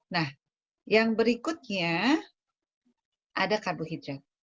nah yang berikutnya ada karbohidrat